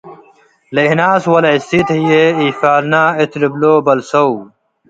ለእናስ ወለእሲት ህዬ፤ “ኢፋልነ” እት ልብሎ በልሰው።